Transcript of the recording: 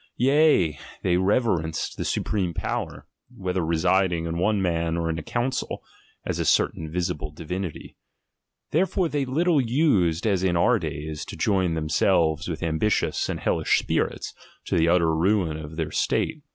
Yea, they reverenced the supreme power, whether residing in one man or in a council, as a certain visible divinity. Therefore they little used, as in our days, to join themselves with ambitious and hellish spirits, to the utter ruin of their state.